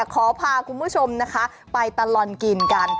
ขอพาคุณผู้ชมนะคะไปตลอดกินกัน